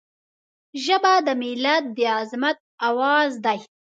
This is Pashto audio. ژبه د ملت د عظمت آواز دی